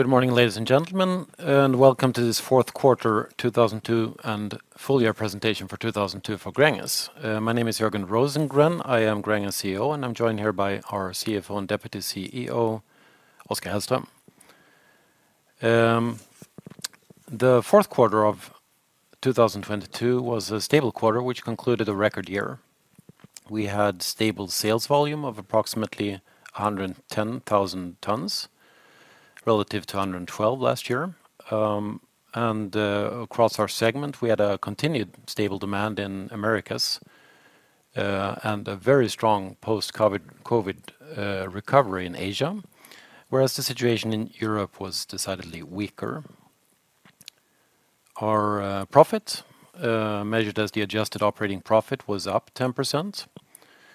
Good morning, ladies and gentlemen, and welcome to this fourth quarter 2022 and full year presentation for 2022 for Gränges. My name is Jörgen Rosengren. I am Gränges CEO, and I'm joined here by our CFO and Deputy CEO, Oskar Hellström. The fourth quarter of 2022 was a stable quarter which concluded a record year. We had stable sales volume of approximately 110,000 tons relative to 112 last year. Across our segment, we had a continued stable demand in Americas, and a very strong post COVID recovery in Asia, whereas the situation in Europe was decidedly weaker. Our profit, measured as the adjusted operating profit, was up 10%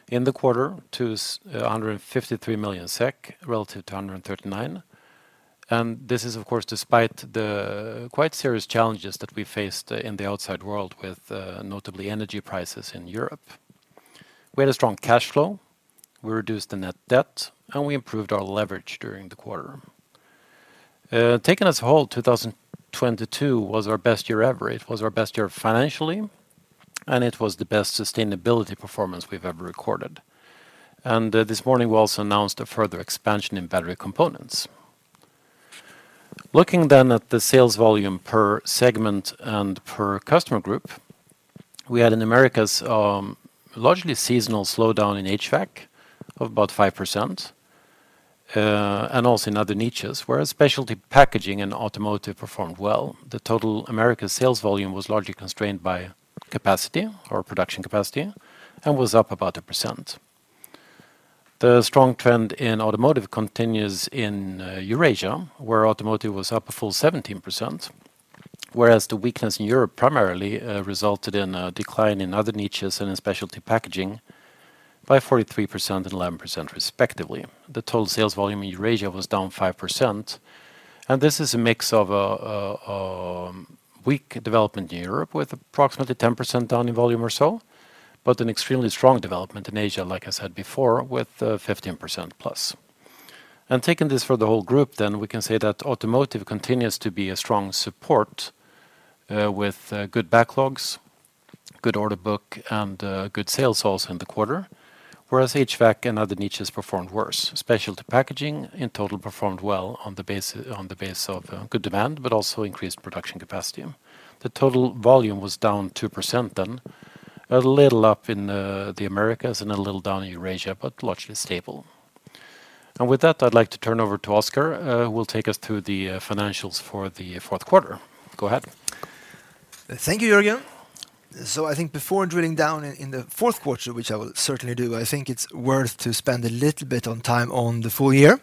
in the quarter to 153 million SEK relative to 139 million. This is, of course, despite the quite serious challenges that we faced in the outside world with notably energy prices in Europe. We had a strong cash flow, we reduced the net debt, and we improved our leverage during the quarter. Taking as whole, 2022 was our best year ever. It was our best year financially, and it was the best sustainability performance we've ever recorded. This morning we also announced a further expansion in battery components. Looking at the sales volume per segment and per customer group, we had in Americas largely seasonal slowdown in HVAC of about 5%, and also in other niches, whereas specialty packaging and automotive performed well. The total Americas sales volume was largely constrained by capacity or production capacity and was up about 1%. The strong trend in automotive continues in Eurasia, where automotive was up a full 17%, whereas the weakness in Europe primarily resulted in a decline in other niches and in specialty packaging by 43% and 11% respectively. The total sales volume in Eurasia was down 5%, and this is a mix of a weak development in Europe with approximately 10% down in volume or so, but an extremely strong development in Asia, like I said before, with 15%+. Taking this for the whole group, we can say that automotive continues to be a strong support, with good backlogs, good order book, and good sales also in the quarter, whereas HVAC and other niches performed worse. Specialty packaging in total performed well on the base of good demand, but also increased production capacity. The total volume was down 2% then, a little up in the Americas and a little down in Eurasia, but largely stable. With that, I'd like to turn over to Oskar, who will take us through the financials for the fourth quarter. Go ahead. Thank you, Jörgen. I think before drilling down in the fourth quarter, which I will certainly do, I think it's worth to spend a little bit on time on the full year,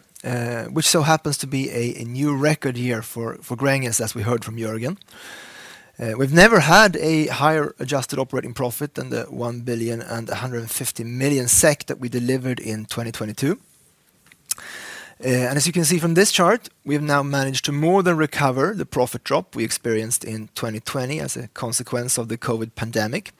which so happens to be a new record year for Gränges, as we heard from Jörgen. We've never had a higher adjusted operating profit than 1,150 million SEK that we delivered in 2022. As you can see from this chart, we have now managed to more than recover the profit drop we experienced in 2020 as a consequence of the COVID pandemic.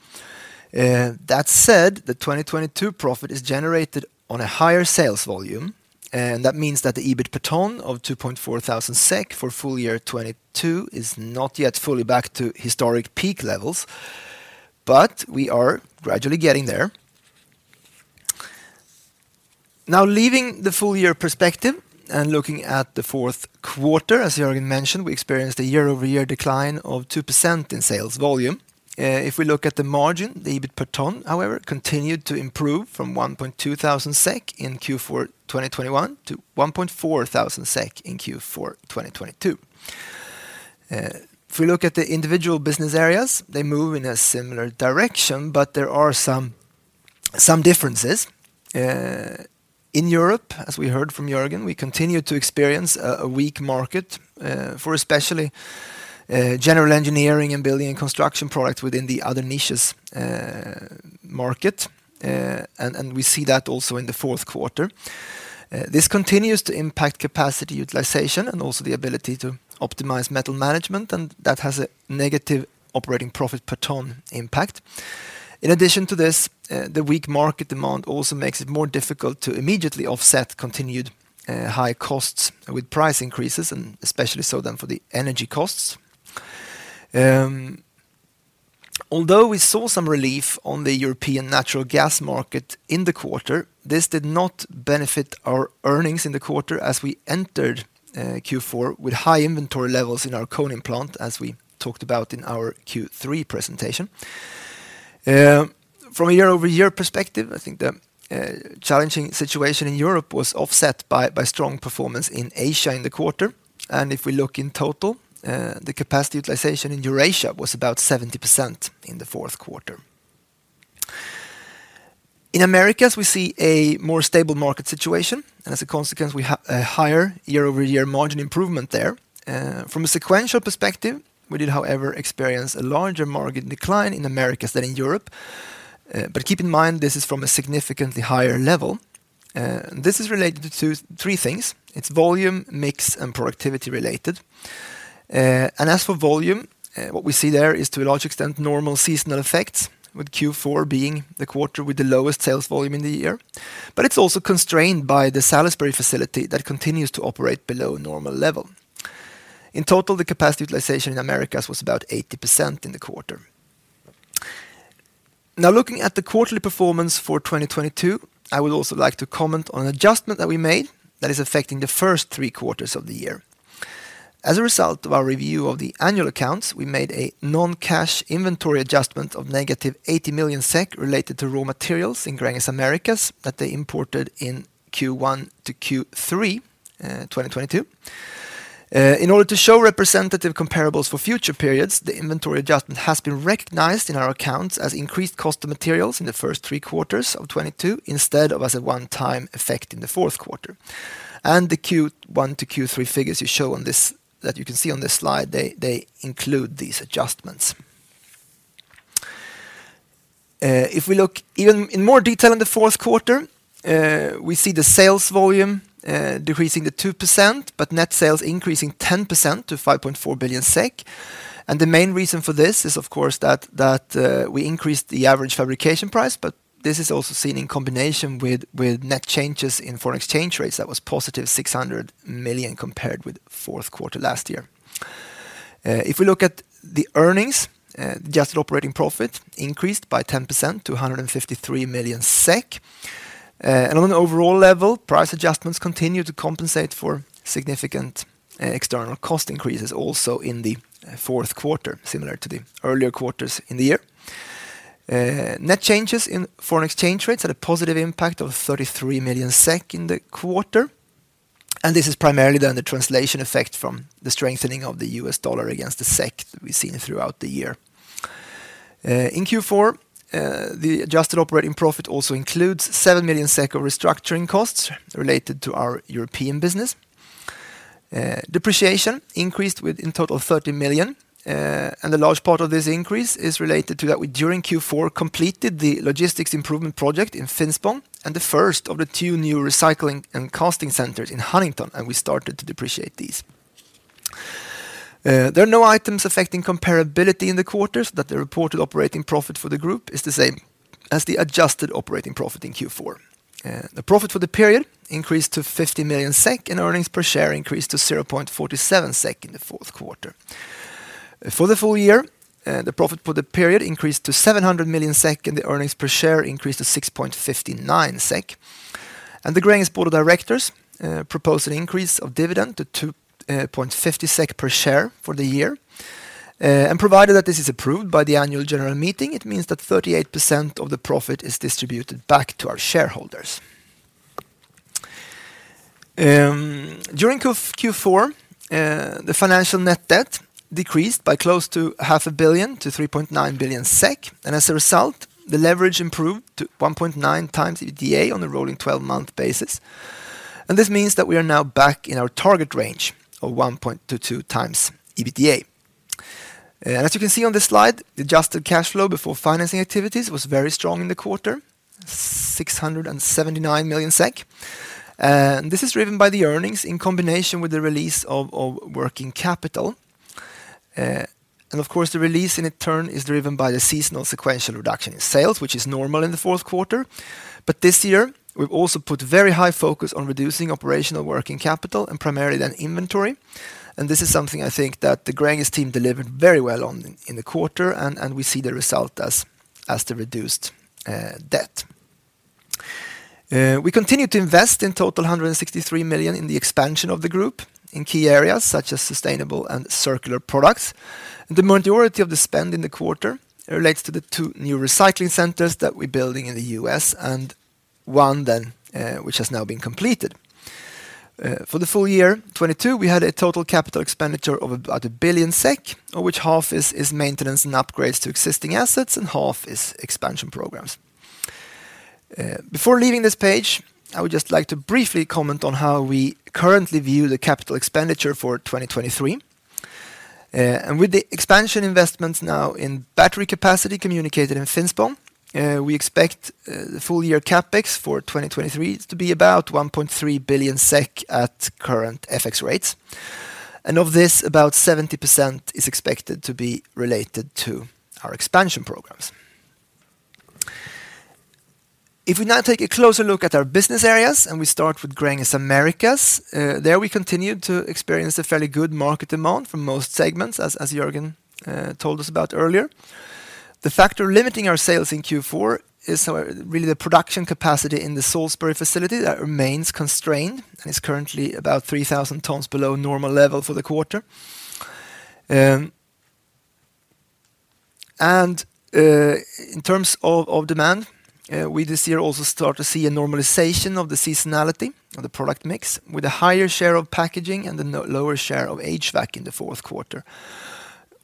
That said, the 2022 profit is generated on a higher sales volume, and that means that the EBIT per ton of 2,400 SEK for full year 2022 is not yet fully back to historic peak levels, but we are gradually getting there. Now, leaving the full year perspective and looking at the fourth quarter, as Jörgen mentioned, we experienced a year-over-year decline of 2% in sales volume. If we look at the margin, the EBIT per ton, however, continued to improve from 1,200 SEK in Q4 2021 to 1,400 SEK in Q4 2022. If we look at the individual business areas, they move in a similar direction, but there are some differences. In Europe, as we heard from Jörgen, we continue to experience a weak market for especially general engineering and building construction products within the other niches market. We see that also in the fourth quarter. This continues to impact capacity utilization and also the ability to optimize metal management, and that has a negative operating profit per ton impact. In addition to this, the weak market demand also makes it more difficult to immediately offset continued high costs with price increases, and especially so then for the energy costs. Although we saw some relief on the European natural gas market in the quarter, this did not benefit our earnings in the quarter as we entered Q4 with high inventory levels in our Konin plant, as we talked about in our Q3 presentation. From a year-over-year perspective, I think the challenging situation in Europe was offset by strong performance in Asia in the quarter. If we look in total, the capacity utilization in Eurasia was about 70% in the fourth quarter. In Americas, we see a more stable market situation, and as a consequence, we have a higher year-over-year margin improvement there. From a sequential perspective, we did, however, experience a larger market decline in Americas than in Europe. Keep in mind this is from a significantly higher level. This is related to three things. It's volume, mix, and productivity related. As for volume, what we see there is to a large extent normal seasonal effects, with Q4 being the quarter with the lowest sales volume in the year. It's also constrained by the Salisbury facility that continues to operate below normal level. In total, the capacity utilization in Americas was about 80% in the quarter. Looking at the quarterly performance for 2022, I would also like to comment on an adjustment that we made that is affecting the first 3 quarters of the year. As a result of our review of the annual accounts, we made a non-cash inventory adjustment of negative 80 million SEK related to raw materials in Gränges Americas that they imported in Q1 to Q3, 2022. In order to show representative comparables for future periods, the inventory adjustment has been recognized in our accounts as increased cost of materials in the first 3 quarters of 2022 instead of as a one-time effect in the fourth quarter. The Q1-Q3 figures you show on this slide, they include these adjustments. If we look even in more detail in Q4, we see the sales volume decreasing to 2%, but net sales increasing 10% to 5.4 billion SEK. The main reason for this is, of course, that we increased the average fabrication price, but this is also seen in combination with net changes in foreign exchange rates that was positive 600 million compared with Q4 last year. If we look at the earnings, adjusted operating profit increased by 10% to 153 million SEK. On an overall level, price adjustments continue to compensate for significant external cost increases also in the fourth quarter, similar to the earlier quarters in the year. Net changes in foreign exchange rates had a positive impact of 33 million SEK in the quarter, and this is primarily then the translation effect from the strengthening of the US dollar against the SEK that we've seen throughout the year. In Q4, the adjusted operating profit also includes 7 million SEK of restructuring costs related to our European business. Depreciation increased with in total 30 million, and a large part of this increase is related to that during Q4 completed the logistics improvement project in Finspång and the first of the two new recycling and casting centers in Huntingdon, and we started to depreciate these. There are no items affecting comparability in the quarters that the reported operating profit for the group is the same as the adjusted operating profit in Q4. The profit for the period increased to 50 million SEK, and earnings per share increased to 0.47 SEK in the fourth quarter. For the full year, the profit for the period increased to 700 million SEK, and the earnings per share increased to 6.59 SEK. The Gränges board of directors proposed an increase of dividend to 2.50 SEK per share for the year. Provided that this is approved by the Annual General Meeting, it means that 38% of the profit is distributed back to our shareholders. During Q4, the financial net debt decreased by close to half a billion SEK to 3.9 billion SEK. As a result, the leverage improved to 1.9 times EBITDA on the rolling twelve-month basis. This means that we are now back in our target range of 1.2-2 times EBITDA. As you can see on this slide, the adjusted cash flow before financing activities was very strong in the quarter, 679 million SEK. This is driven by the earnings in combination with the release of working capital. Of course, the release in it turn is driven by the seasonal sequential reduction in sales, which is normal in the fourth quarter. This year, we've also put very high focus on reducing operational working capital and primarily then inventory. This is something I think that the Gränges team delivered very well on in the quarter, and we see the result as the reduced debt. We continue to invest in total 163 million in the expansion of the group in key areas such as sustainable and circular products. The majority of the spend in the quarter relates to the two new recycling and casting centers that we're building in the U.S. and one then, which has now been completed. For the full year 2022, we had a total capital expenditure of about 1 billion SEK, of which half is maintenance and upgrades to existing assets, and half is expansion programs. Before leaving this page, I would just like to briefly comment on how we currently view the capital expenditure for 2023. With the expansion investments now in battery capacity communicated in Finspång, we expect the full year CapEx for 2023 to be about 1.3 billion SEK at current FX rates. Of this, about 70% is expected to be related to our expansion programs. If we now take a closer look at our business areas, and we start with Gränges Americas, there we continued to experience a fairly good market demand from most segments as Jörgen told us about earlier. The factor limiting our sales in Q4 is really the production capacity in the Salisbury facility that remains constrained and is currently about 3,000 tons below normal level for the quarter. In terms of demand, we this year also start to see a normalization of the seasonality of the product mix with a higher share of packaging and a lower share of HVAC in the fourth quarter.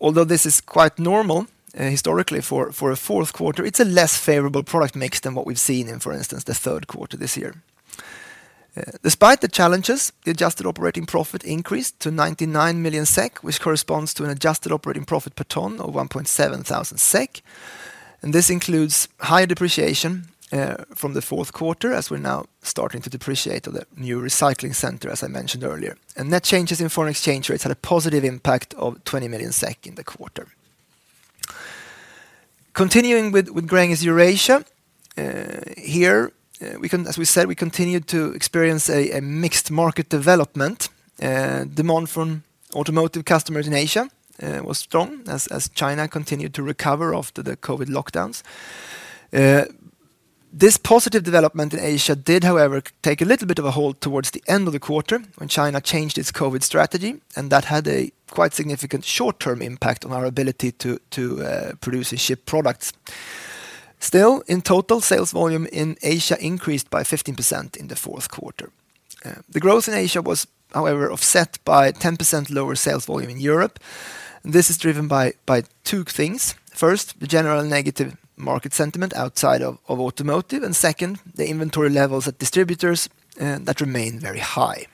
Although this is quite normal historically for a fourth quarter, it's a less favorable product mix than what we've seen in, for instance, the third quarter this year. Despite the challenges, the adjusted operating profit increased to 99 million SEK, which corresponds to an adjusted operating profit per ton of 1,700 SEK. This includes high depreciation from the fourth quarter as we're now starting to depreciate the new recycling center, as I mentioned earlier. Net changes in foreign exchange rates had a positive impact of 20 million SEK in the quarter. Continuing with Gränges Eurasia, here, as we said, we continued to experience a mixed market development. Demand from automotive customers in Asia, was strong as China continued to recover after the COVID lockdowns. This positive development in Asia did, however, take a little bit of a halt towards the end of the quarter when China changed its COVID strategy, and that had a quite significant short-term impact on our ability to produce and ship products. Still, in total, sales volume in Asia increased by 15% in the fourth quarter. The growth in Asia was, however, offset by 10% lower sales volume in Europe. This is driven by two things. First, the general negative market sentiment outside of automotive. Second, the inventory levels at distributors, that remain very high.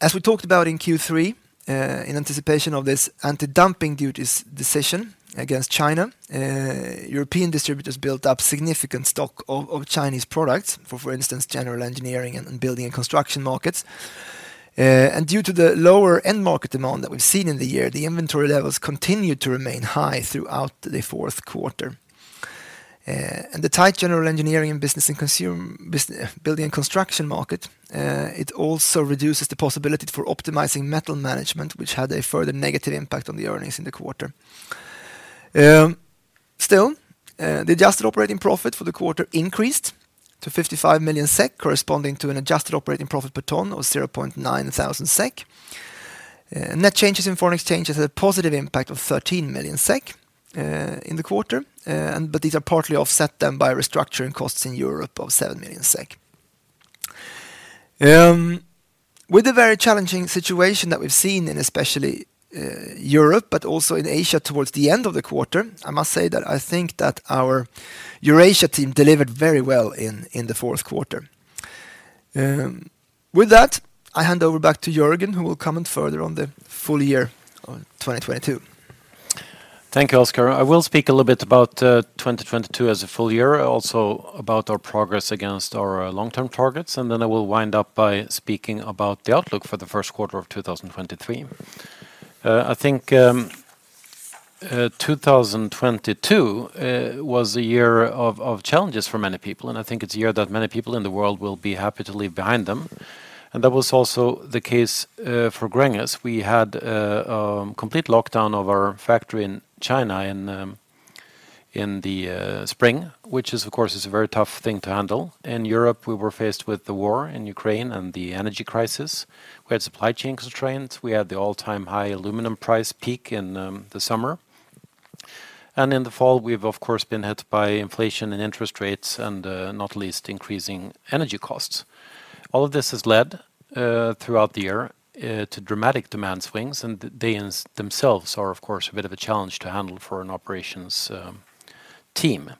As we talked about in Q3, in anticipation of this anti-dumping duties decision against China, European distributors built up significant stock of Chinese products, for instance, general engineering and building and construction markets. Due to the lower end market demand that we've seen in the year, the inventory levels continued to remain high throughout the fourth quarter. The tight general engineering business and building and construction market, it also reduces the possibility for optimizing metal management, which had a further negative impact on the earnings in the quarter. Still, the adjusted operating profit for the quarter increased to 55 million SEK, corresponding to an adjusted operating profit per ton of 0.9 thousand SEK. Net changes in foreign exchanges had a positive impact of 13 million SEK in the quarter. These are partly offset then by restructuring costs in Europe of 7 million SEK. With the very challenging situation that we've seen in especially Europe, but also in Asia towards the end of the quarter, I must say that I think that our Eurasia team delivered very well in the fourth quarter. That, I hand over back to Jörgen, who will comment further on the full year of 2022. Thank you, Oskar. I will speak a little bit about 2022 as a full year, also about our progress against our long-term targets. Then I will wind up by speaking about the outlook for the first quarter of 2023. I think 2022 was a year of challenges for many people, and I think it's a year that many people in the world will be happy to leave behind them. That was also the case for Gränges. We had complete lockdown of our factory in China in the spring, which is, of course, is a very tough thing to handle. In Europe, we were faced with the war in Ukraine and the energy crisis. We had supply chain constraints. We had the all-time high aluminum price peak in the summer. In the fall, we've of course been hit by inflation and interest rates and not least increasing energy costs. All of this has led throughout the year to dramatic demand swings, and themselves are of course a bit of a challenge to handle for an operations team.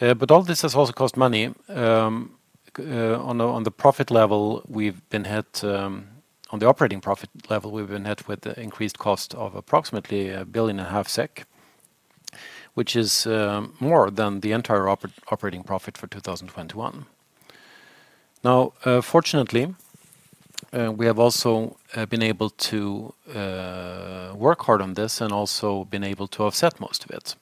All this has also cost money. On the, on the profit level, we've been hit on the operating profit level, we've been hit with the increased cost of approximately 1.5 billion SEK, which is more than the entire operating profit for 2021. Fortunately, we have also been able to work hard on this and also been able to offset most of it.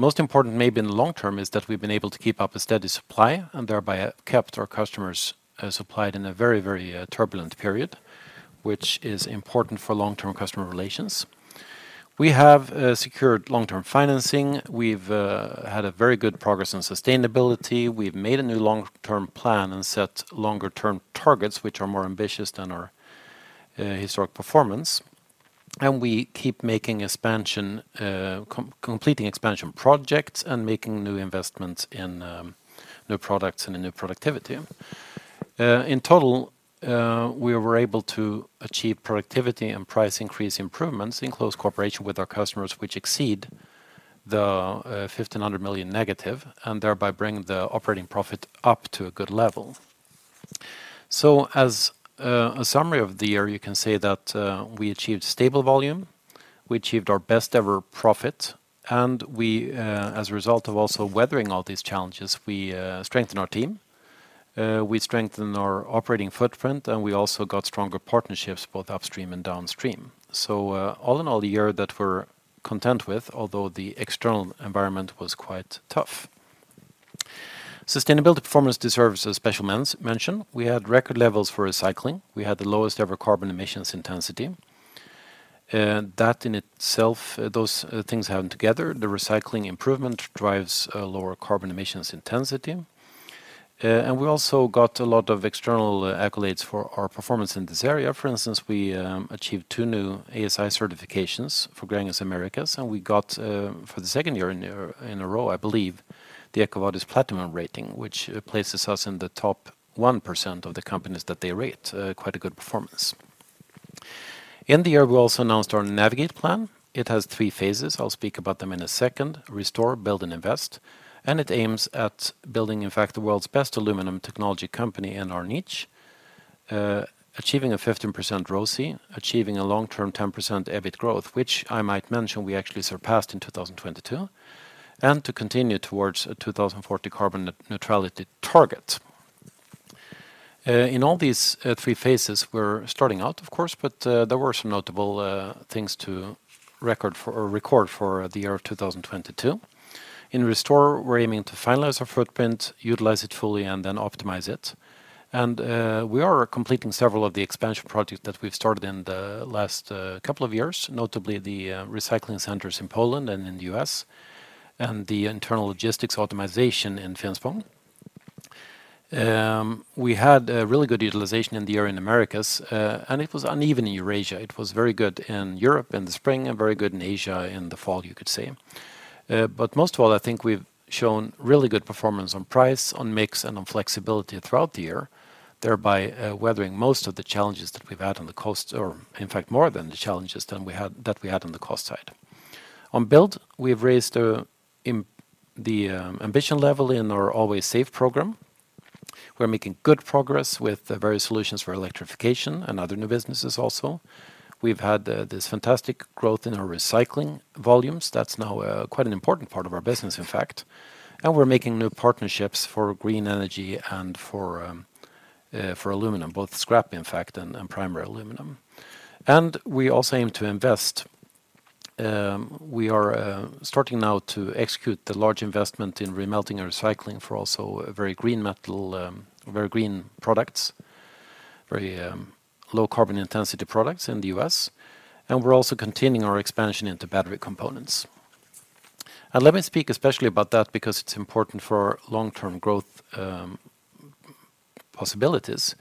Most important maybe in the long term is that we've been able to keep up a steady supply and thereby kept our customers supplied in a very, very turbulent period, which is important for long-term customer relations. We have secured long-term financing. We've had a very good progress on sustainability. We've made a new long-term plan and set longer-term targets, which are more ambitious than our historic performance. We keep making expansion, completing expansion projects and making new investments in new products and in new productivity. In total, we were able to achieve productivity and price increase improvements in close cooperation with our customers which exceed the 1,500 million negative, and thereby bring the operating profit up to a good level. As a summary of the year, you can say that we achieved stable volume, we achieved our best ever profit, and we as a result of also weathering all these challenges, we strengthened our team, we strengthened our operating footprint, and we also got stronger partnerships both upstream and downstream. All in all, a year that we're content with, although the external environment was quite tough. Sustainability performance deserves a special mention. We had record levels for recycling. We had the lowest ever carbon emissions intensity. That in itself, those things happen together. The recycling improvement drives lower carbon emissions intensity. We also got a lot of external accolades for our performance in this area. For instance, we achieved two new ASI certifications for Gränges Americas, we got for the second year in a row, I believe, the EcoVadis Platinum rating, which places us in the top 1% of the companies that they rate. Quite a good performance. In the year, we also announced our Navigate Plan. It has three phases. I'll speak about them in a second. Restore, build, and invest. It aims at building, in fact, the world's best aluminum technology company in our niche. Achieving a 15% ROCE, achieving a long term 10% EBIT growth, which I might mention we actually surpassed in 2022, and to continue towards a 2040 carbon neutrality target. In all these three phases, we're starting out, of course, but there were some notable things to record for the year of 2022. In restore, we're aiming to finalize our footprint, utilize it fully, and then optimize it. We are completing several of the expansion projects that we've started in the last couple of years, notably the recycling centers in Poland and in the U.S., and the internal logistics optimization in Finspång. We had a really good utilization in the year in Americas, and it was uneven in Eurasia. It was very good in Europe in the spring and very good in Asia in the fall, you could say. Most of all, I think we've shown really good performance on price, on mix, and on flexibility throughout the year, thereby, weathering most of the challenges that we've had on the cost or in fact, more than the challenges that we had on the cost side. On build, we've raised the ambition level in our Always Safe program. We're making good progress with the various solutions for electrification and other new businesses also. We've had this fantastic growth in our recycling volumes. That's now quite an important part of our business, in fact. We're making new partnerships for green energy and for aluminum, both scrap, in fact, and primary aluminum. We also aim to invest. We are starting now to execute the large investment in remelting and recycling for also a very green metal, very green products, very low carbon intensity products in the U.S. We're also continuing our expansion into battery components. Let me speak especially about that because it's important for long-term growth possibilities.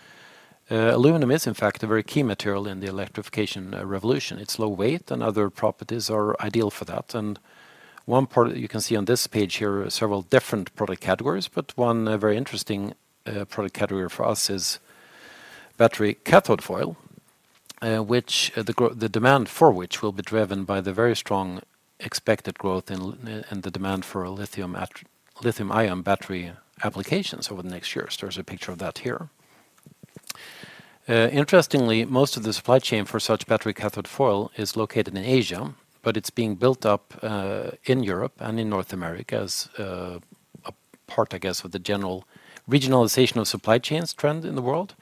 Aluminum is in fact a very key material in the electrification revolution. It's low weight and other properties are ideal for that. One part you can see on this page here are several different product categories, but one very interesting product category for us is battery cathode foil, the demand for which will be driven by the very strong expected growth in the demand for lithium-ion battery applications over the next years. There's a picture of that here. Interestingly, most of the supply chain for such battery cathode foil is located in Asia, but it's being built up in Europe and in North America as a part, I guess, of the general regionalization of supply chains trend in the world.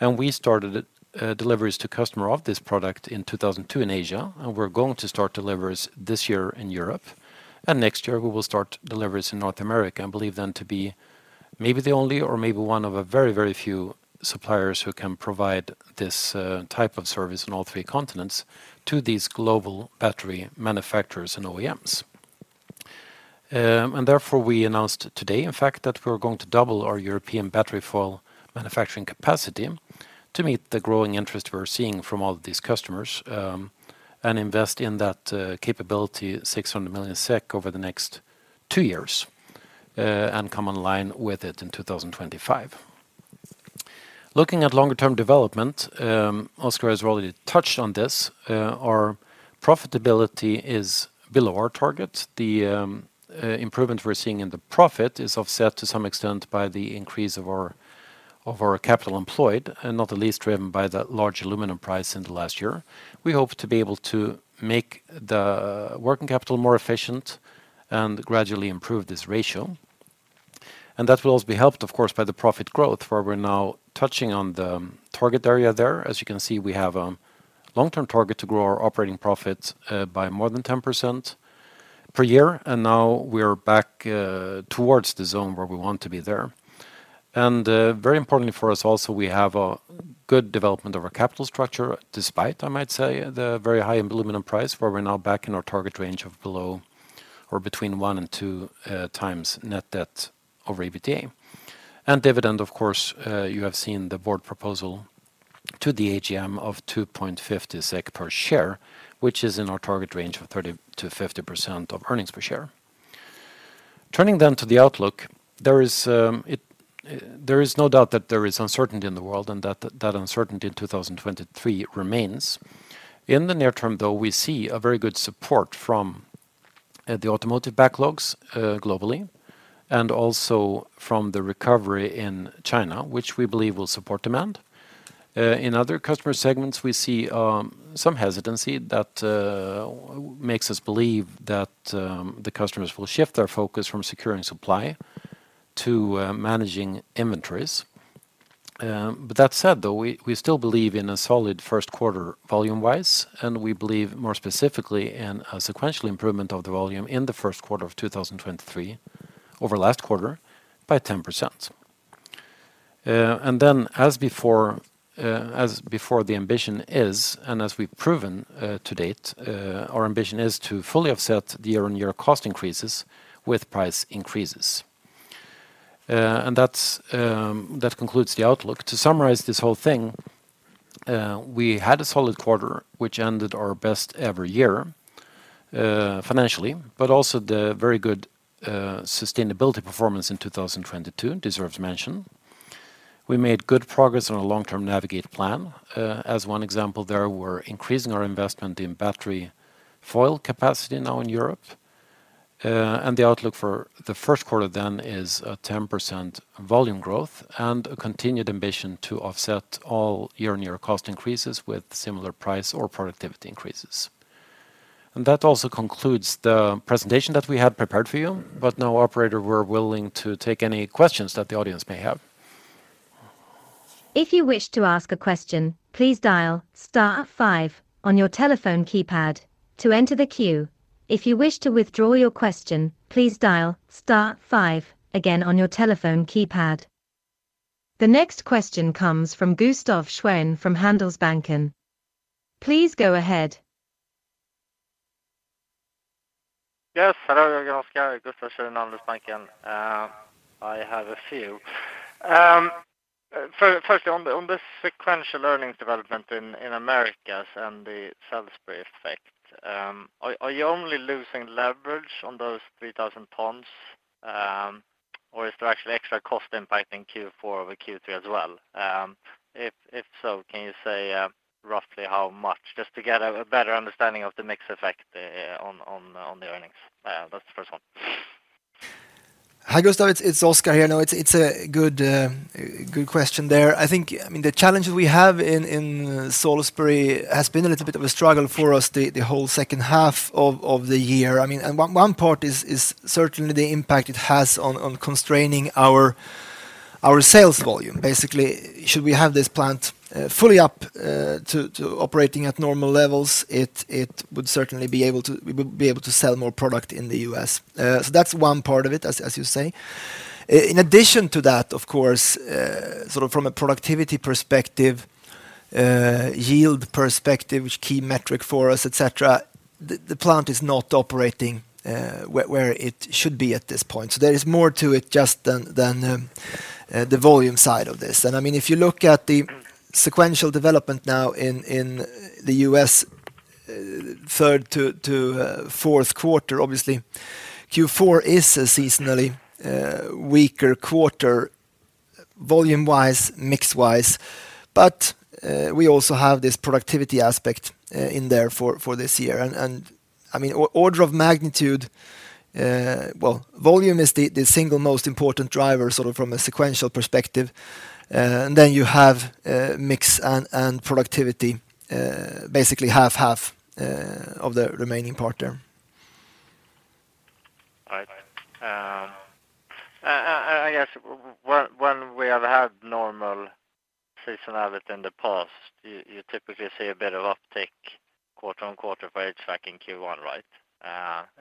We started deliveries to customer of this product in 2002 in Asia. We're going to start deliveries this year in Europe. Next year, we will start deliveries in North America, and believe them to be maybe the only or maybe one of a very, very few suppliers who can provide this type of service in all three continents to these global battery manufacturers and OEMs. Therefore, we announced today, in fact, that we're going to double our European battery foil manufacturing capacity to meet the growing interest we're seeing from all these customers, and invest in that capability 600 million SEK over the next two years, and come online with it in 2025. Looking at longer term development, Oskar has already touched on this. Our profitability is below our target. The improvement we're seeing in the profit is offset to some extent by the increase of our capital employed and not the least driven by the large aluminum price in the last year. We hope to be able to make the working capital more efficient and gradually improve this ratio. That will also be helped, of course, by the profit growth, where we're now touching on the target area there. As you can see, we have a long-term target to grow our operating profit by more than 10% per year, and now we are back towards the zone where we want to be there. Very importantly for us also, we have a good development of our capital structure despite, I might say, the very high aluminum price, where we're now back in our target range of below or between 1-2 times net debt over EBITDA. Dividend, of course, you have seen the board proposal to the AGM of 2.50 SEK per share, which is in our target range of 30%-50% of earnings per share. Turning then to the outlook, there is no doubt that there is uncertainty in the world and that uncertainty in 2023 remains. In the near term, though, we see a very good support from the automotive backlogs globally, and also from the recovery in China, which we believe will support demand. In other customer segments, we see some hesitancy that makes us believe that the customers will shift their focus from securing supply to managing inventories. That said, though, we still believe in a solid first quarter volume-wise, and we believe more specifically in a sequential improvement of the volume in the first quarter of 2023 over last quarter by 10%. As before, as before, the ambition is, and as we've proven to date, our ambition is to fully offset the year-on-year cost increases with price increases. That's that concludes the outlook. To summarize this whole thing, we had a solid quarter which ended our best ever year, financially, but also the very good, sustainability performance in 2022 deserves mention. We made good progress on a long-term Navigate plan. As one example, there we're increasing our investment in battery foil capacity now in Europe. The outlook for the first quarter then is a 10% volume growth and a continued ambition to offset all year-on-year cost increases with similar price or productivity increases. That also concludes the presentation that we had prepared for you. Now, operator, we're willing to take any questions that the audience may have. If you wish to ask a question, please dial star five on your telephone keypad to enter the queue. If you wish to withdraw your question, please dial star five again on your telephone keypad. The next question comes from Gustaf Schwerin from Handelsbanken. Please go ahead. Yes. Hello. Good morning, Oskar Hellström. Gustaf Schwerin, Handelsbanken. I have a few. First on the sequential earnings development in Americas and the Salisbury effect, are you only losing leverage on those 3,000 tons? Or is there actually extra cost impact in Q4 over Q3 as well? If so, can you say roughly how much just to get a better understanding of the mix effect on the earnings? That's the first one. Hi, Gustaf. It's Oskar here. No, it's a good question there. I think, I mean, the challenge we have in Salisbury has been a little bit of a struggle for us the whole second half of the year. I mean, one part is certainly the impact it has on constraining our sales volume. Basically, should we have this plant fully up to operating at normal levels, we would be able to sell more product in the US. That's one part of it, as you say. In addition to that, of course, sort of from a productivity perspective, yield perspective, which key metric for us, et cetera, the plant is not operating where it should be at this point. There is more to it just than the volume side of this. I mean, if you look at the sequential development now in the US, third to fourth quarter, obviously Q4 is a seasonally weaker quarter volume-wise, mix-wise, but we also have this productivity aspect in there for this year. I mean, order of magnitude, well, volume is the single most important driver, sort of from a sequential perspective. And then you have mix and productivity, basically half-half of the remaining part there. All right. I guess when we have had normal seasonality in the past, you typically see a bit of uptick quarter on quarter for HVAC in Q1, right?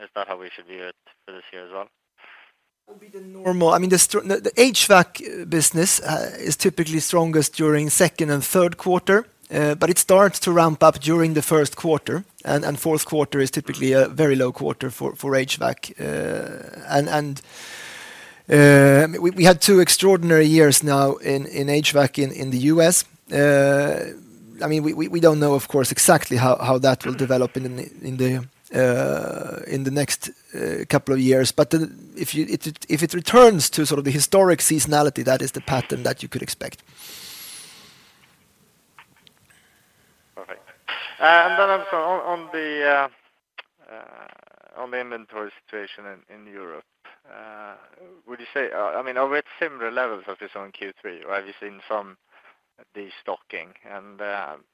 Is that how we should view it for this year as well? What would be the normal, I mean, the HVAC business is typically strongest during second and third quarter, but it starts to ramp up during the first quarter, and fourth quarter is typically a very low quarter for HVAC. I mean, we had two extraordinary years now in HVAC in the U.S. I mean, we don't know, of course, exactly how that will develop in the next couple of years. If it returns to sort of the historic seasonality, that is the pattern that you could expect. Perfect. Also on the, on the inventory situation in Europe, would you say, I mean, are we at similar levels of this on Q3, or have you seen some destocking?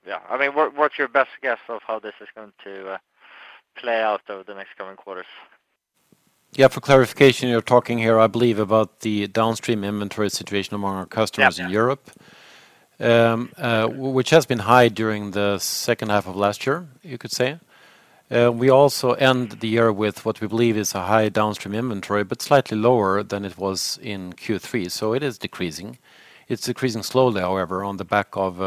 Yeah, I mean, what's your best guess of how this is going to play out over the next coming quarters? Yeah. For clarification, you're talking here, I believe, about the downstream inventory situation among our customers- Yeah in Europe, which has been high during the second half of last year, you could say. We also end the year with what we believe is a high downstream inventory, but slightly lower than it was in Q3, so it is decreasing. It's decreasing slowly, however, on the back of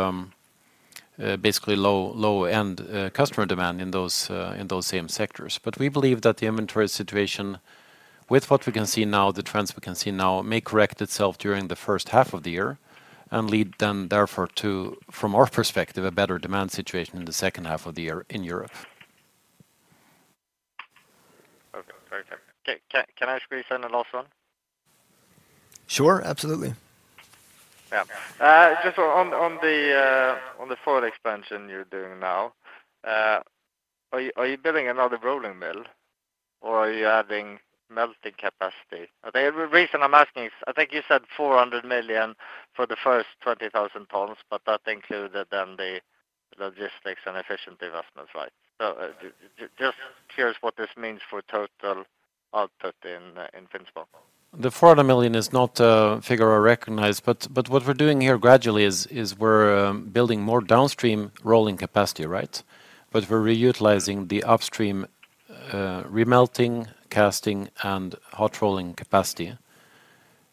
basically low-end customer demand in those same sectors. We believe that the inventory situation with what we can see now, the trends we can see now, may correct itself during the first half of the year and lead then therefore to, from our perspective, a better demand situation in the second half of the year in Europe. Okay. Very clear. Can I squeeze in a last one? Sure. Absolutely. Yeah. Just on the foil expansion you're doing now, are you building another rolling mill or are you adding melting capacity? The reason I'm asking is I think you said 400 million for the first 20,000 tons, but that included then the logistics and efficiency investments, right? Just curious what this means for total output in Finspång. The 400 million is not a figure I recognize, but what we're doing here gradually is we're building more downstream rolling capacity, right? We're reutilizing the upstream remelting, casting, and hot rolling capacity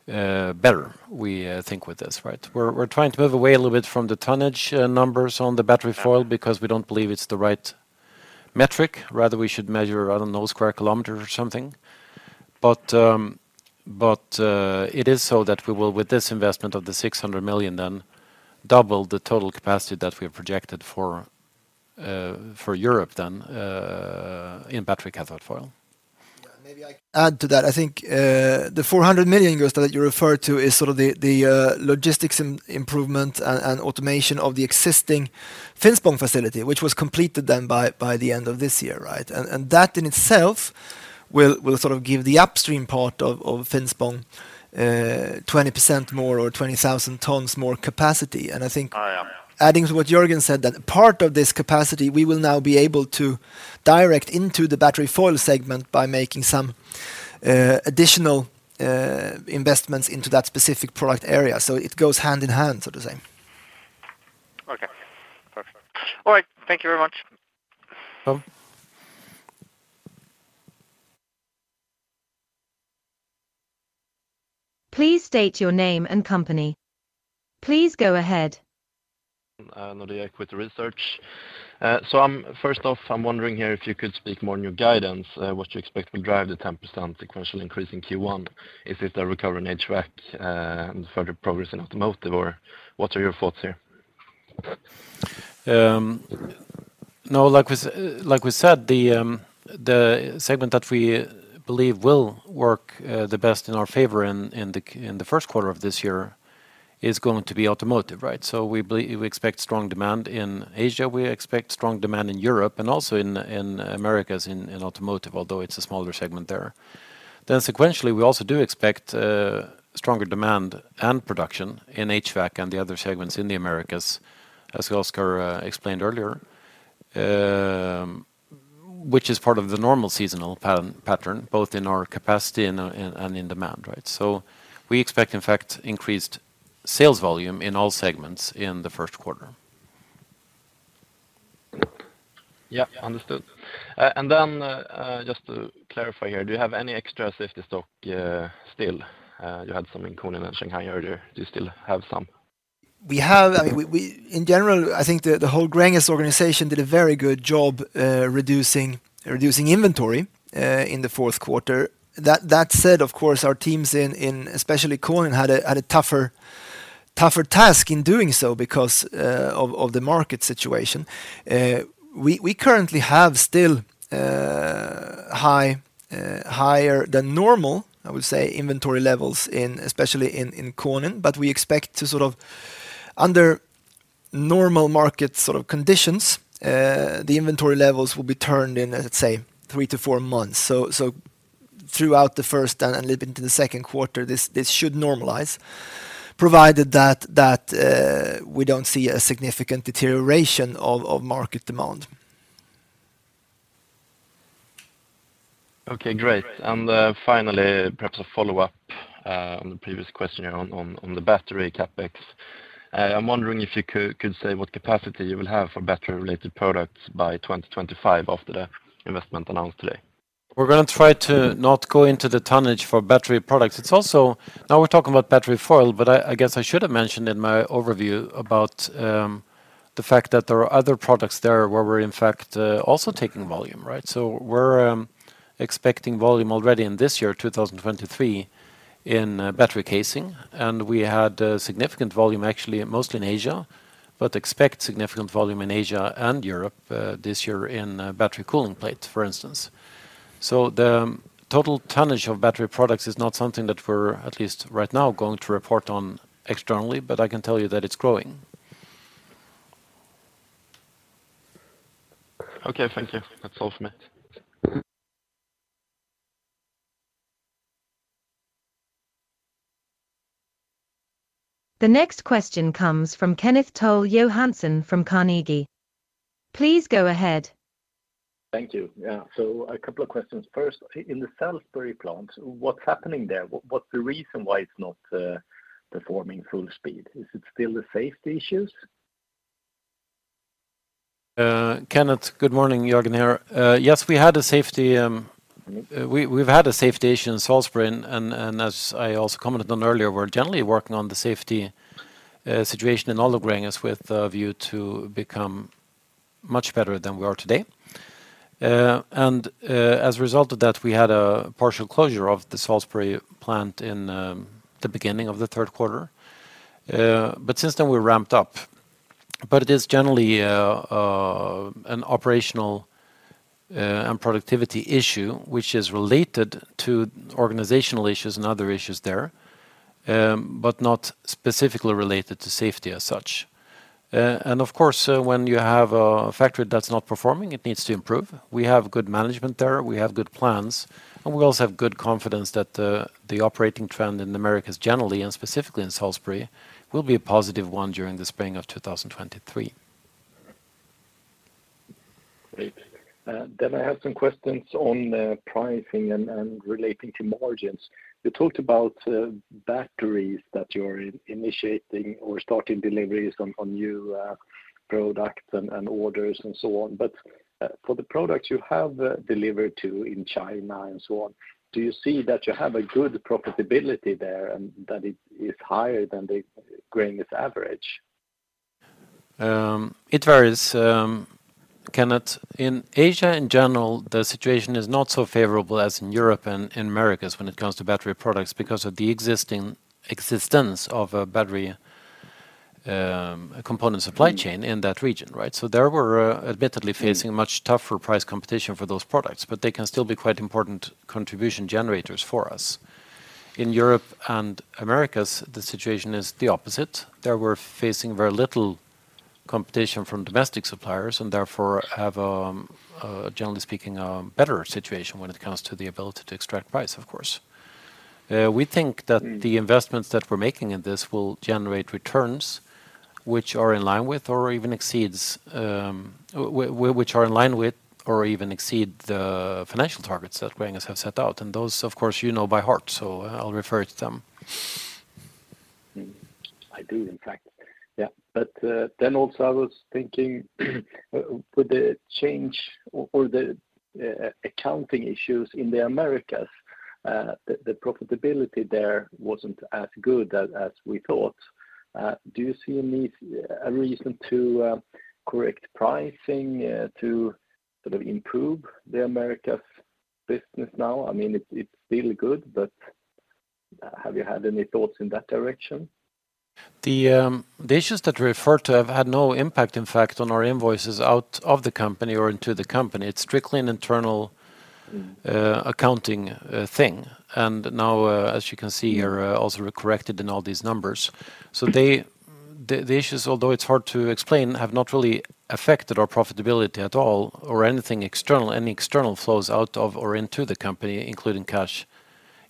better, we think with this, right? We're trying to move away a little bit from the tonnage numbers on the battery foil because we don't believe it's the right metric. Rather, we should measure, I don't know, square kilometer or something. It is so that we will, with this investment of the 600 million, then double the total capacity that we have projected for Europe then in battery cathode foil. Maybe I can add to that. I think the 400 million euros that you referred to is sort of the logistics improvement and automation of the existing Finspång facility, which was completed then by the end of this year, right? That in itself will sort of give the upstream part of Finspång 20% more or 20,000 tons more capacity. I think. Oh, yeah!... adding to what Jörgen said, that part of this capacity, we will now be able to direct into the battery foil segment by making some additional investments into that specific product area. It goes hand in hand, so to say. Okay. Perfect. All right. Thank you very much. Welcome. Please state your name and company. Please go ahead. Nordea with the research. First off, I'm wondering here if you could speak more on your guidance, what you expect will drive the 10% sequential increase in Q1. Is it the recovery in HVAC and further progress in automotive, or what are your thoughts here? No, like we said, the segment that we believe will work the best in our favor in the first quarter of this year is going to be automotive, right? We expect strong demand in Asia, we expect strong demand in Europe and also in Americas in automotive, although it's a smaller segment there. Sequentially, we also do expect stronger demand and production in HVAC and the other segments in the Americas, as Oskar explained earlier, which is part of the normal seasonal pattern, both in our capacity and in demand, right? We expect, in fact, increased sales volume in all segments in the first quarter. Yeah. Understood. Just to clarify here, do you have any extra safety stock still? You had some in Konin and Shanghai earlier. Do you still have some? I mean, we In general, I think the whole Gränges organization did a very good job reducing inventory in the fourth quarter. That said, of course, our teams in especially Konin had a tougher task in doing so because of the market situation. We currently have still high higher than normal, I would say, inventory levels in especially in Konin. We expect to sort of under normal market sort of conditions, the inventory levels will be turned in, let's say, 3 to 4 months. Throughout the first and a little bit into the second quarter, this should normalize, provided that we don't see a significant deterioration of market demand. Okay, great. Finally, perhaps a follow-up, on the previous question here on the battery CapEx. I'm wondering if you could say what capacity you will have for battery-related products by 2025 after the investment announced today. We're gonna try to not go into the tonnage for battery products. It's. Now we're talking about battery foil, but I guess I should have mentioned in my overview about the fact that there are other products there where we're in fact also taking volume, right? We're expecting volume already in this year, 2023, in battery casing, and we had a significant volume actually mostly in Asia, but expect significant volume in Asia and Europe this year in battery cooling plates, for instance. The total tonnage of battery products is not something that we're, at least right now, going to report on externally, but I can tell you that it's growing. Okay. Thank you. That's all from me. The next question comes from Kenneth Toll Johansson from Carnegie. Please go ahead. Thank you. Yeah. A couple of questions. First, in the Salisbury plant, what's happening there? What's the reason why it's not performing full speed? Is it still the safety issues? Kenneth, good morning. Jörgen here. Yes, we had a safety, we've had a safety issue in Salisbury and as I also commented on earlier, we're generally working on the safety situation in all of Gränges with a view to become much better than we are today. As a result of that, we had a partial closure of the Salisbury plant in the beginning of the 3rd quarter. Since then, we ramped up. It is generally an operational and productivity issue which is related to organizational issues and other issues there, but not specifically related to safety as such. Of course, when you have a factory that's not performing, it needs to improve. We have good management there, we have good plans, and we also have good confidence that the operating trend in Americas generally and specifically in Salisbury will be a positive one during the spring of 2023. Great. Then I have some questions on pricing and relating to margins. You talked about batteries that you're initiating or starting deliveries on new products and orders and so on. For the products you have delivered to in China and so on, do you see that you have a good profitability there and that it is higher than the Gränges average? It varies, Kenneth. In Asia in general, the situation is not so favorable as in Europe and in Americas when it comes to battery products because of the existing existence of a battery component supply chain in that region, right? There we're admittedly facing much tougher price competition for those products, but they can still be quite important contribution generators for us. In Europe and Americas, the situation is the opposite. There we're facing very little competition from domestic suppliers, and therefore have generally speaking, a better situation when it comes to the ability to extract price of course. We think that the investments that we're making in this will generate returns which are in line with or even exceeds. Which are in line with or even exceed the financial targets that we ourselves have set out, and those of course you know by heart, so I'll refer to them. I do in fact. Then also I was thinking, with the change or the accounting issues in the Americas, the profitability there wasn't as good as we thought. Do you see a need, a reason to correct pricing to sort of improve the Americas business now? I mean, it's still good, but have you had any thoughts in that direction? The issues that you referred to have had no impact in fact on our invoices out of the company or into the company. It's strictly an internal-. Mm.... accounting thing. Now, as you can see here, also we corrected in all these numbers. The issues, although it's hard to explain, have not really affected our profitability at all, or anything external, any external flows out of or into the company, including cash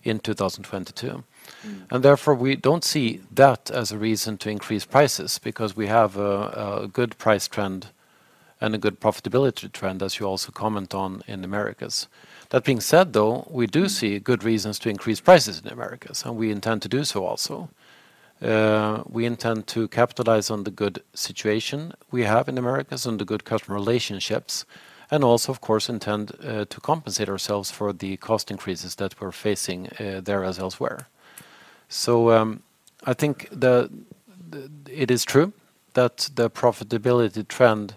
in 2022. Mm. Therefore we don't see that as a reason to increase prices, because we have a good price trend and a good profitability trend, as you also comment on in Americas. Being said though, we do see good reasons to increase prices in Americas, and we intend to do so also. We intend to capitalize on the good situation we have in Americas, on the good customer relationships, and also of course intend to compensate ourselves for the cost increases that we're facing there as elsewhere. I think it is true that the profitability trend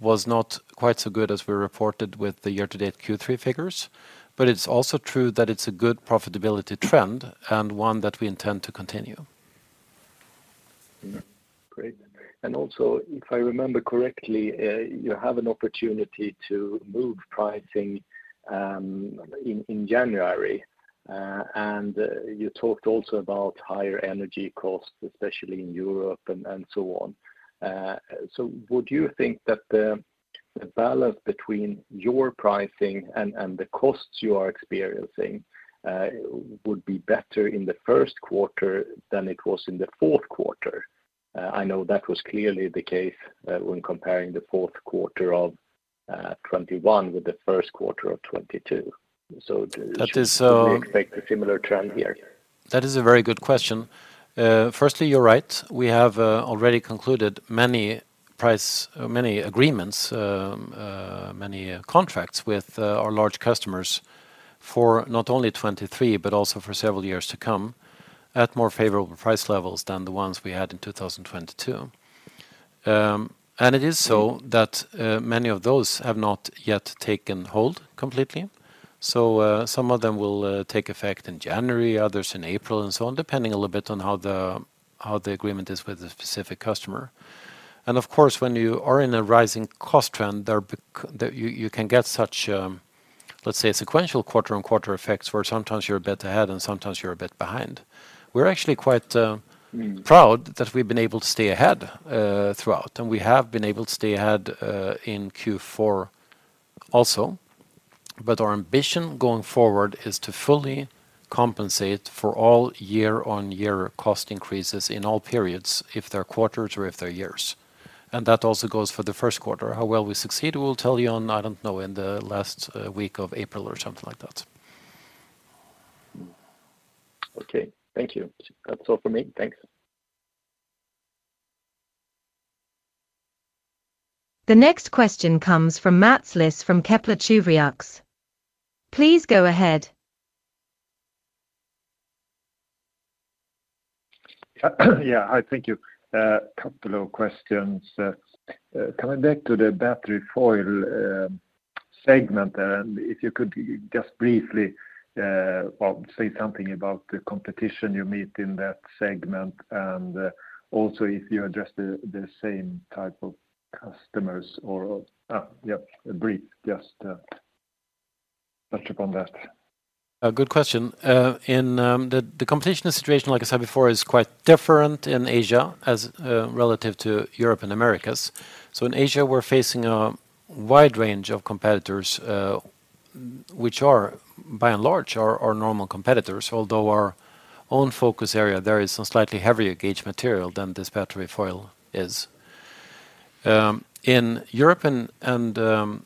was not quite so good as we reported with the year to date Q3 figures, but it's also true that it's a good profitability trend, and one that we intend to continue. Great. Also, if I remember correctly, you have an opportunity to move pricing in January, and you talked also about higher energy costs, especially in Europe and so on. Would you think that the balance between your pricing and the costs you are experiencing, would be better in the first quarter than it was in the fourth quarter? I know that was clearly the case when comparing the fourth quarter of 2021 with the first quarter of 2022. That is. Should we expect a similar trend here? That is a very good question. Firstly, you're right. We have already concluded many agreements, many contracts with our large customers for not only 2023, but also for several years to come, at more favorable price levels than the ones we had in 2022. It is so that many of those have not yet taken hold completely. Some of them will take effect in January, others in April, and so on, depending a little bit on how the agreement is with the specific customer. Of course, when you are in a rising cost trend, you can get such, let's say sequential quarter-on-quarter effects, where sometimes you're a bit ahead and sometimes you're a bit behind. We're actually quite. Mm... proud that we've been able to stay ahead throughout, we have been able to stay ahead in Q4 also. Our ambition going forward is to fully compensate for all year-on-year cost increases in all periods, if they're quarters or if they're years. That also goes for the first quarter. How well we succeed, we'll tell you on, I don't know, in the last week of April or something like that. Okay. Thank you. That's all for me. Thanks. The next question comes from Mats Liss from Kepler Cheuvreux. Please go ahead. Yeah. Hi, thank you. A couple of questions. Coming back to the battery foil segment, if you could just briefly, well, say something about the competition you meet in that segment, also if you address the same type of customers or, yeah, brief, just, touch upon that? A good question. In the competition situation, like I said before, is quite different in Asia as relative to Europe and Americas. In Asia, we're facing a wide range of competitors, which are, by and large are normal competitors, although our own focus area there is on slightly heavier gauge material than this battery foil is. In Europe and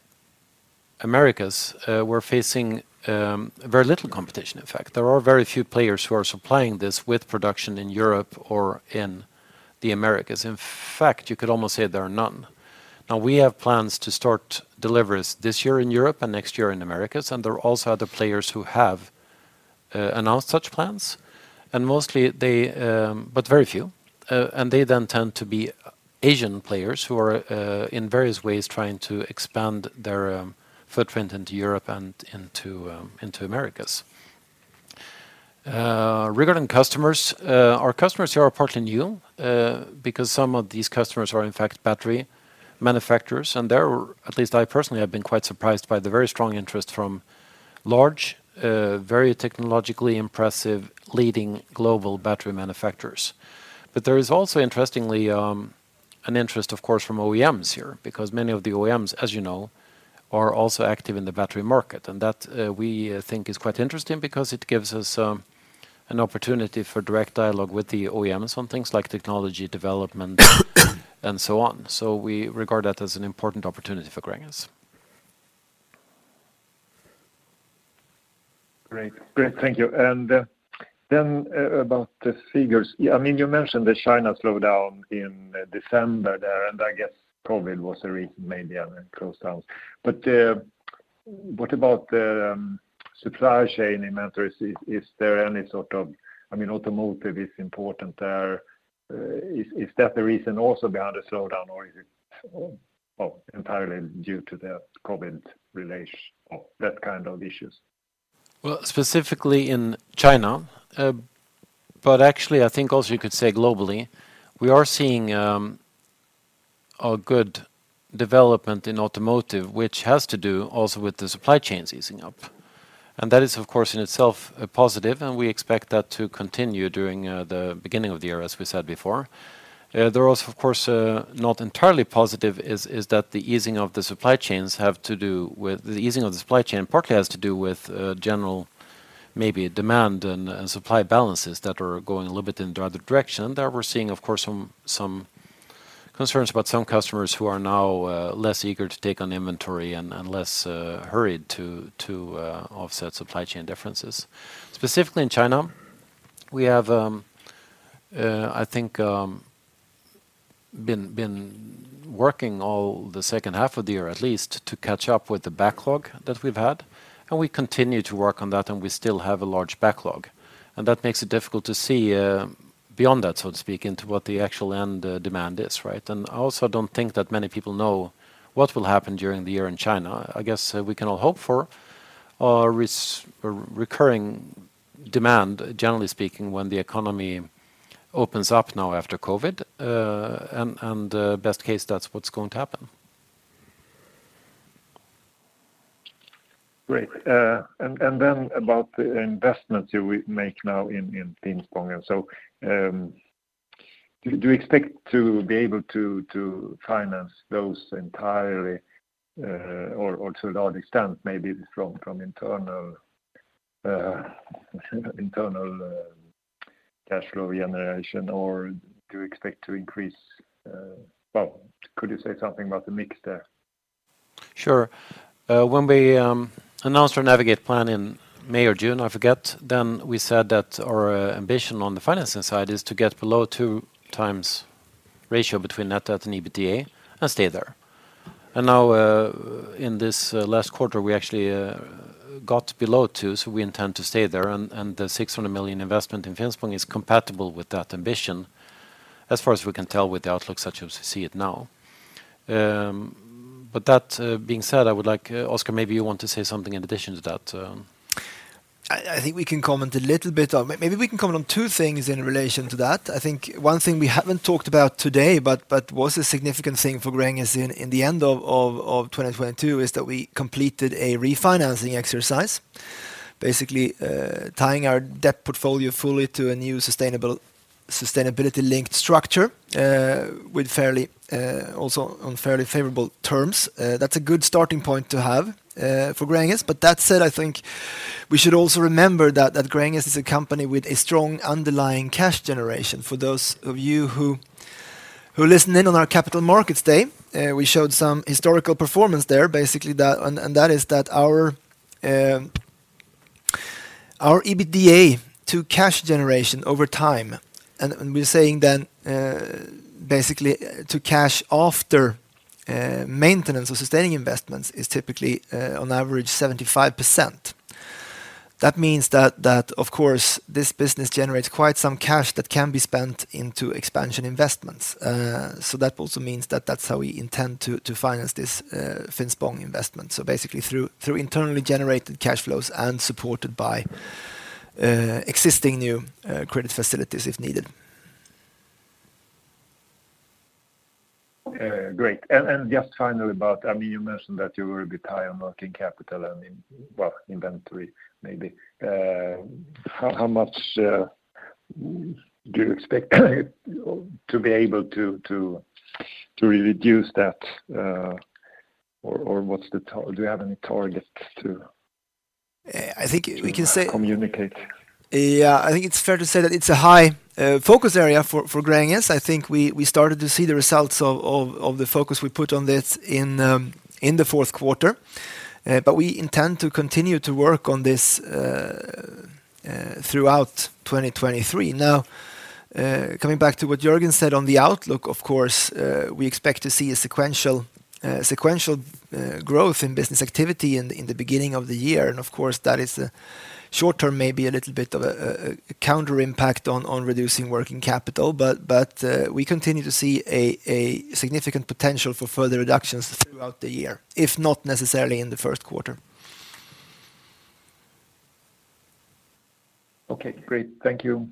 Americas, we're facing very little competition in fact. There are very few players who are supplying this with production in Europe or in the Americas. In fact, you could almost say there are none. Now, we have plans to start deliveries this year in Europe and next year in Americas, and there are also other players who have announced such plans, and mostly they. Very few. They then tend to be Asian players who are in various ways trying to expand their footprint into Europe and into Americas. Regarding customers, our customers here are partly new because some of these customers are in fact battery manufacturers, and they're, at least I personally have been quite surprised by the very strong interest from large, very technologically impressive leading global battery manufacturers. There is also interestingly an interest of course from OEMs here because many of the OEMs, as you know, are also active in the battery market. That we think is quite interesting because it gives us an opportunity for direct dialogue with the OEMs on things like technology development and so on. We regard that as an important opportunity for Gränges. Great. Great. Thank you. Then about the figures. I mean, you mentioned the China slowdown in December there, and I guess probably it was a reason maybe, close down. What about the supply chain inventories? Is there any sort of... I mean, automotive is important there. Is that the reason also behind the slowdown or is it entirely due to the COVID relation or that kind of issues? Well, specifically in China, but actually I think also you could say globally, we are seeing a good development in automotive, which has to do also with the supply chains easing up. That is, of course, in itself a positive, and we expect that to continue during the beginning of the year as we said before. There is of course, not entirely positive is that the easing of the supply chain partly has to do with general maybe demand and supply balances that are going a little bit in the other direction that we're seeing, of course, some concerns about some customers who are now less eager to take on inventory and less hurried to offset supply chain differences. Specifically in China, we have, I think, been working all the second half of the year at least to catch up with the backlog that we've had, and we continue to work on that, and we still have a large backlog. That makes it difficult to see beyond that, so to speak, into what the actual end demand is, right? I also don't think that many people know what will happen during the year in China. I guess, we can all hope for a recurring demand, generally speaking, when the economy opens up now after COVID, and best case that's what's going to happen. Great. About the investments you make now in Finspång. Do you expect to be able to finance those entirely, or to a large extent maybe from internal cash flow generation, or do you expect to increase... Could you say something about the mix there? Sure. when we announced our Navigate plan in May or June, I forget, then we said that our ambition on the financing side is to get below 2 times ratio between net debt and EBITDA and stay there. Now, in this last quarter, we actually got below 2, so we intend to stay there and the 600 million investment in Finspång is compatible with that ambition as far as we can tell with the outlook such as we see it now. That being said, I would like Oskar, maybe you want to say something in addition to that. I think we can comment a little bit on. Maybe we can comment on two things in relation to that. I think one thing we haven't talked about today but was a significant thing for Gränges in the end of 2022 is that we completed a refinancing exercise, basically, tying our debt portfolio fully to a new sustainability-linked structure, with fairly, also on fairly favorable terms. That's a good starting point to have for Gränges. That said, I think we should also remember that Gränges is a company with a strong underlying cash generation. For those of you who listened in on our Capital Markets Day, we showed some historical performance there basically that, and that is that our EBITDA to cash generation over time, and we're saying then, basically to cash after maintenance or sustaining investments is typically, on average 75%. That means that of course, this business generates quite some cash that can be spent into expansion investments. That also means that that's how we intend to finance this Finspång investment. Basically through internally generated cash flows and supported by existing new credit facilities if needed. Great. Just finally about, I mean, you mentioned that you were a bit high on working capital and in, well, inventory maybe. How much do you expect to be able to reduce that? Or what's the do you have any targets to- I think we can say- -to communicate? Yeah. I think it's fair to say that it's a high focus area for Gränges. I think we started to see the results of the focus we put on this in the fourth quarter. We intend to continue to work on this throughout 2023. Now, coming back to what Jörgen said on the outlook, of course, we expect to see a sequential sequential growth in business activity in the beginning of the year. Of course, that is a short term, maybe a little bit of a counter impact on reducing working capital. We continue to see a significant potential for further reductions throughout the year, if not necessarily in the first quarter. Okay, great. Thank you.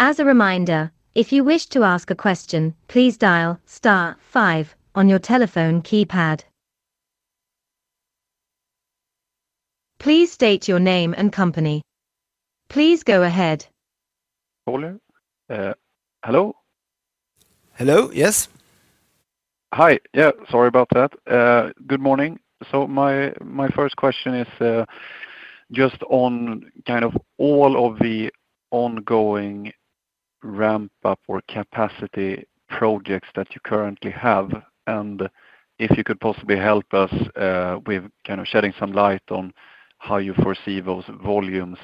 As a reminder, if you wish to ask a question, please dial star five on your telephone keypad. Please state your name and company. Please go ahead. Pål here. Hello? Hello. Yes. Hi. Yeah, sorry about that. Good morning. My first question is just on kind of all of the ongoing ramp up or capacity projects that you currently have, if you could possibly help us with kind of shedding some light on how you foresee those volumes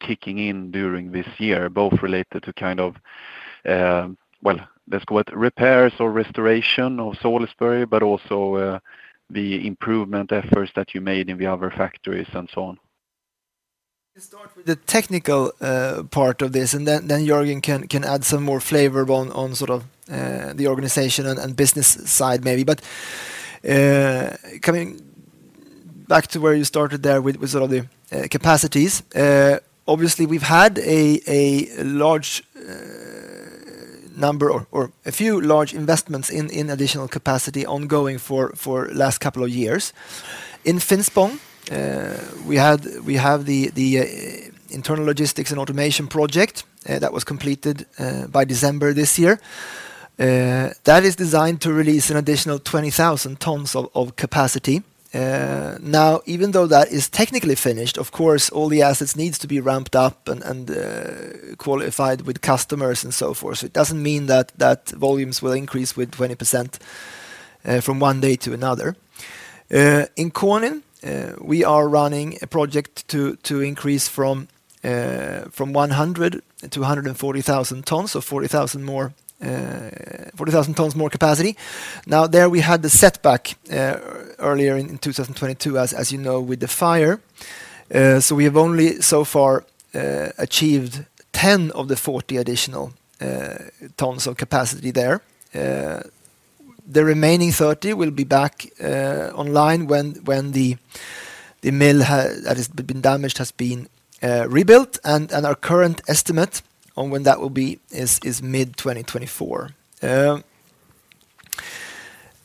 kicking in during this year, both related to kind of, well, let's go with repairs or restoration of Salisbury, but also, the improvement efforts that you made in the other factories and so on. Let me start with the technical part of this, and then Jörgen can add some more flavor on sort of the organization and business side maybe. Coming back to where you started there with sort of the capacities. Obviously we've had a large number or a few large investments in additional capacity ongoing for last couple of years. In Finspång, we have the internal logistics and automation project that was completed by December this year. That is designed to release an additional 20,000 tons of capacity. Even though that is technically finished, of course, all the assets needs to be ramped up and qualified with customers and so forth. It doesn't mean that volumes will increase with 20% from one day to another. In Konin, we are running a project to increase from 100 to 140,000 tons. 40,000 more, 40,000 tons more capacity. There we had the setback earlier in 2022, as you know, with the fire. We have only so far achieved 10 of the 40 additional tons of capacity there. The remaining 30 will be back online when the mill that has been damaged has been rebuilt and our current estimate on when that will be is mid-2024.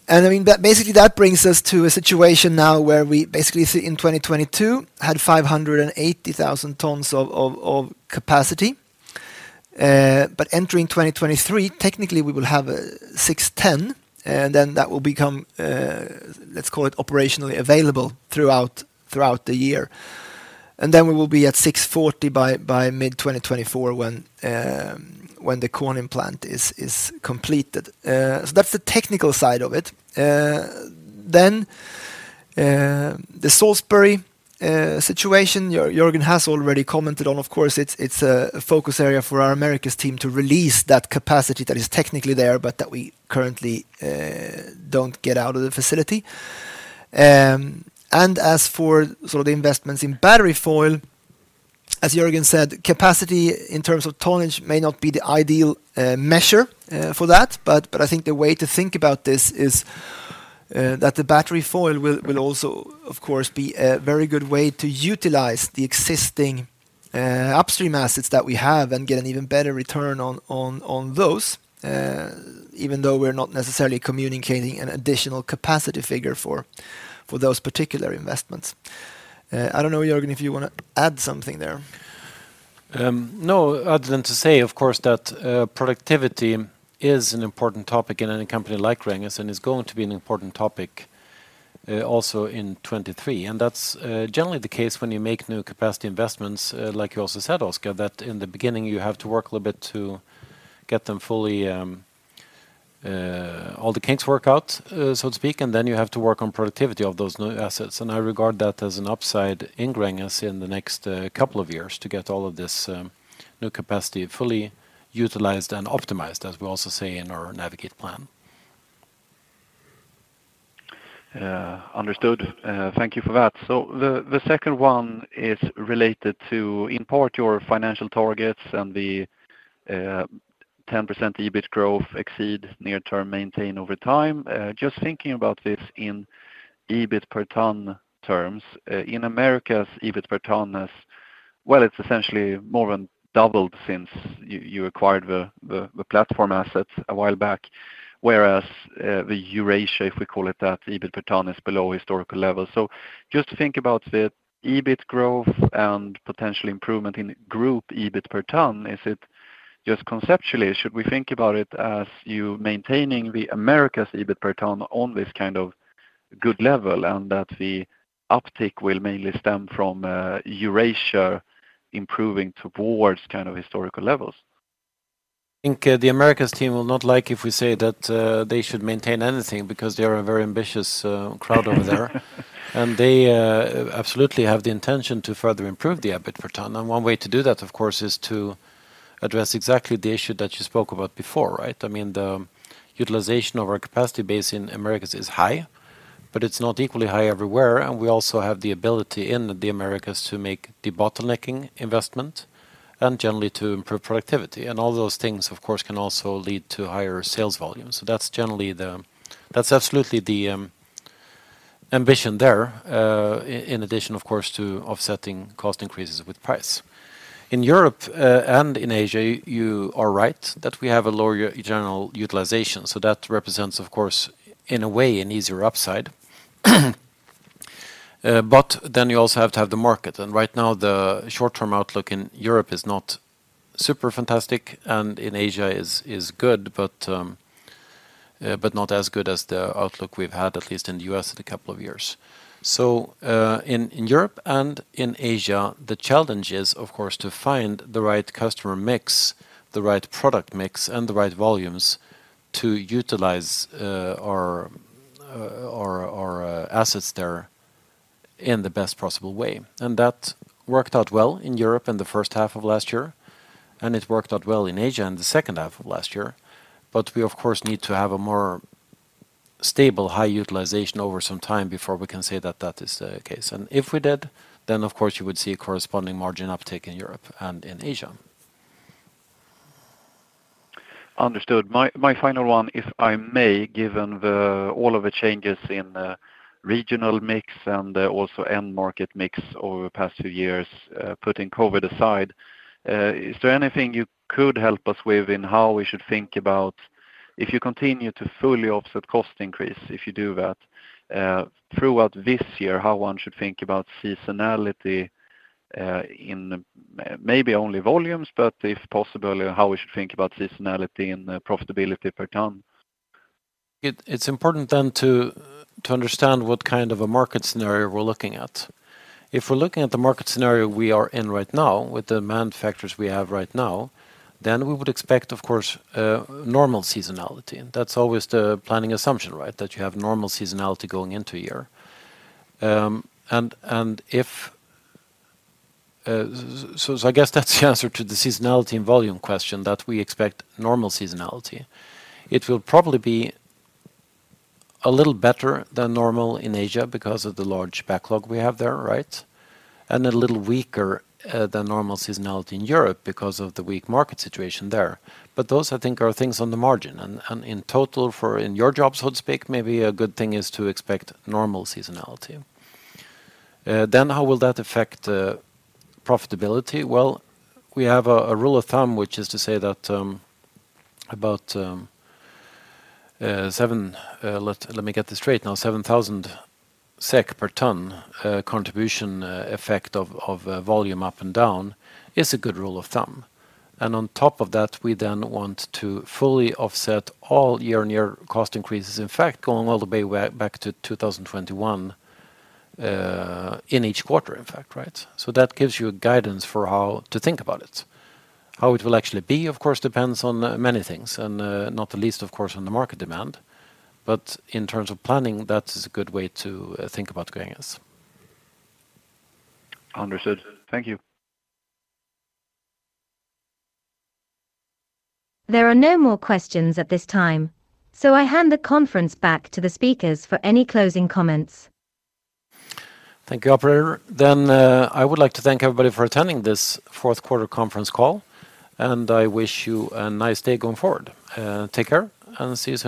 I mean, that basically, that brings us to a situation now where we basically sit in 2022 had 580,000 tons of capacity. Entering 2023, technically we will have 610, that will become, let's call it operationally available throughout the year. We will be at 640 by mid-2024 when the Konin plant is completed. That's the technical side of it. The Salisbury situation Jörgen has already commented on, of course. It's a focus area for our Americas team to release that capacity that is technically there, but that we currently don't get out of the facility. As for sort of the investments in battery foil, as Jörgen said, capacity in terms of tonnage may not be the ideal measure for that, but I think the way to think about this is that the battery foil will also of course be a very good way to utilize the existing upstream assets that we have and get an even better return on those. Even though we're not necessarily communicating an additional capacity figure for those particular investments. I don't know, Jörgen, if you want to add something there. No, other than to say, of course, that productivity is an important topic in any company like Gränges and is going to be an important topic also in 23. That's generally the case when you make new capacity investments, like you also said, Oskar, that in the beginning you have to work a little bit to get them fully all the kinks work out, so to speak, and then you have to work on productivity of those new assets. I regard that as an upside in Gränges in the next couple of years to get all of this new capacity fully utilized and optimized, as we also say in our Navigate plan. Understood. Thank you for that. The, the second one is related to in part your financial targets and the 10% EBIT growth exceed near term maintain over time. Just thinking about this in EBIT per ton terms. In Americas, EBIT per ton has, well, it's essentially more than doubled since you acquired the platform assets a while back. Whereas, the Eurasia, if we call it that, EBIT per ton is below historical levels. Just think about the EBIT growth and potential improvement in group EBIT per ton. Is it just conceptually, should we think about it as you maintaining the Americas EBIT per ton on this kind of good level and that the uptick will mainly stem from Eurasia improving towards kind of historical levels? I think the Americas team will not like if we say that they should maintain anything because they're a very ambitious crowd over there. They absolutely have the intention to further improve the EBIT per ton. One way to do that, of course, is to address exactly the issue that you spoke about before, right? I mean, the utilization of our capacity base in Americas is high, but it's not equally high everywhere. We also have the ability in the Americas to make the bottlenecking investment and generally to improve productivity. All those things, of course, can also lead to higher sales volumes. That's generally That's absolutely the Ambition there in addition, of course, to offsetting cost increases with price. In Europe, and in Asia, you are right that we have a lower general utilization, so that represents, of course, in a way, an easier upside. Then you also have to have the market. Right now, the short-term outlook in Europe is not super fantastic, and in Asia is good, but not as good as the outlook we've had at least in the U.S. in a couple of years. In Europe and in Asia, the challenge is, of course, to find the right customer mix, the right product mix, and the right volumes to utilize our assets there in the best possible way. That worked out well in Europe in the first half of last year, and it worked out well in Asia in the second half of last year. We, of course, need to have a more stable high utilization over some time before we can say that that is the case. If we did, then, of course, you would see a corresponding margin uptick in Europe and in Asia. Understood. My final one, if I may, given all of the changes in regional mix and also end market mix over the past two years, putting COVID aside, is there anything you could help us with in how we should think about if you continue to fully offset cost increase, if you do that throughout this year, how one should think about seasonality, in maybe only volumes, but if possible, how we should think about seasonality and profitability per ton? It's important then to understand what kind of a market scenario we're looking at. If we're looking at the market scenario we are in right now with the manufacturers we have right now, then we would expect, of course, a normal seasonality. That's always the planning assumption, right? That you have normal seasonality going into a year. I guess that's the answer to the seasonality and volume question, that we expect normal seasonality. It will probably be a little better than normal in Asia because of the large backlog we have there, right? A little weaker than normal seasonality in Europe because of the weak market situation there. Those, I think, are things on the margin and in total for, in your job so to speak, maybe a good thing is to expect normal seasonality. How will that affect profitability? Well, we have a rule of thumb, which is to say that, let me get this straight now. About 7,000 SEK per ton contribution effect of volume up and down is a good rule of thumb. On top of that, we then want to fully offset all year-on-year cost increases, in fact, going all the way back to 2021, in each quarter, in fact, right? That gives you a guidance for how to think about it. How it will actually be, of course, depends on many things and not the least, of course, on the market demand. In terms of planning, that is a good way to think about going, yes. Understood. Thank you. There are no more questions at this time, so I hand the conference back to the speakers for any closing comments. Thank you, operator. I would like to thank everybody for attending this fourth quarter conference call, and I wish you a nice day going forward. Take care and see you soon.